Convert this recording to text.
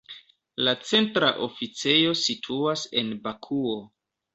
La centra oficejo situas en Bakuo.